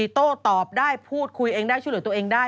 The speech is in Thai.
โต้ตอบได้พูดคุยเองได้ช่วยเหลือตัวเองได้